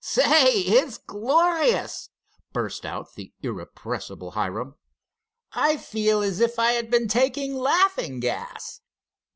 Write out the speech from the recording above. "Say, it's glorious!" burst out the irrepressible Hiram, "I feel as if I had been taking laughing gas!"